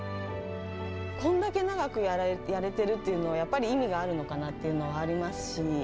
こんだけ長くやれてるっていうのは、やっぱり、意味があるのかなというのはありますし。